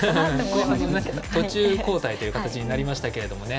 後半途中交代という形になりましたけれどもね。